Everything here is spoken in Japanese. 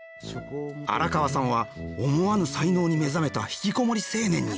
荒川さんは思わぬ才能に目覚めた引きこもり青年に！